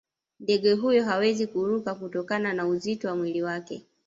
ndege huyo hawezi kuruka kutokana na uzito wa mwili wake